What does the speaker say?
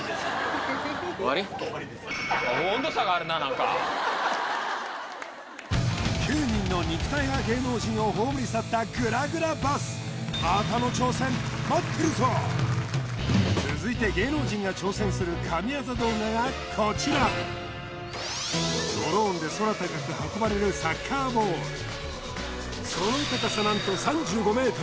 終わりです９人の肉体派芸能人を葬り去ったグラグラバスまたの挑戦待ってるぞ続いて芸能人が挑戦する神業動画がこちら空高くその高さ何と３５ｍ